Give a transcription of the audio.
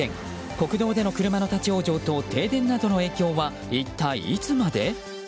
国道での車の立ち往生と停電などの影響は一体いつまで。